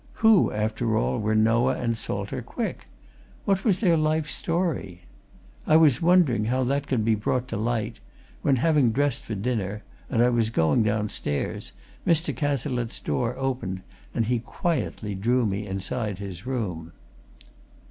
Who, after all, were Noah and Salter Quick what was their life story. I was wondering how that could be brought to light, when, having dressed for dinner, and I was going downstairs, Mr. Cazalette's door opened and he quietly drew me inside his room.